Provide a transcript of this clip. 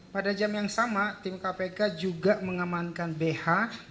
pada jam yang sama tim kpk juga mengamankan bh